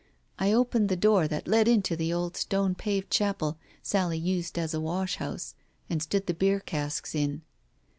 I opened the door that led into the old stone paved chapel Sally used as a wash house, and stood the beer casks in.